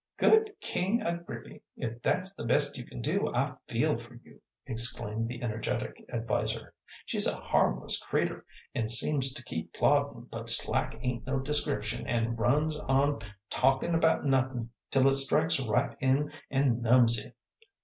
"Good King Agrippy! if that's the best you can do, I feel for you," exclaimed the energetic adviser. "She's a harmless creatur' and seems to keep ploddin, but slack ain't no description, an' runs on talkin' about nothin' till it strikes right in an' numbs ye.